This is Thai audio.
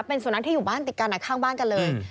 เป็นสุนัขที่อยู่บ้านติดกันข้างบ้านกันเลย